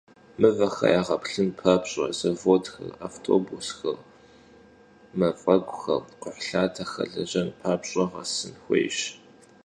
Vunexer yağeplhın papş'e, zavodxer, avtobusxer, maf'eguxer, kxhuhlhatexer lejen papş'e, ğesın xuêyş.